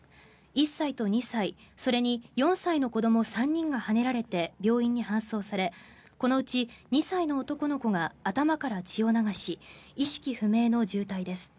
１歳と２歳、それに４歳の子ども３人がはねられて病院に搬送されこのうち２歳の男の子が頭から血を流し意識不明の重体です。